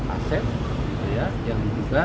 aset yang juga